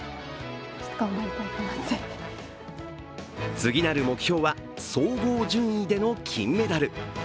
次なる目標は総合順位での金メダル。